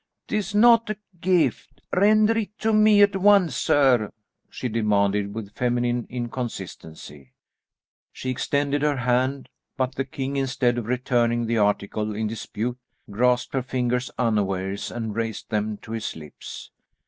"'Tis not a gift; render it to me at once, sir," she demanded with feminine inconsistency. She extended her hand, but the king, instead of returning the article in dispute, grasped her fingers unawares and raised them to his lips.